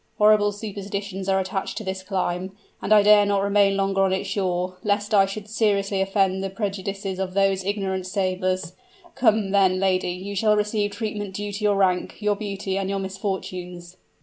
Horrible superstitions are attached to this clime: and I dare not remain longer on its shore, lest I should seriously offend the prejudices of those ignorant sailors. Come, then, lady, you shall receive treatment due to your rank, your beauty, and your misfortunes."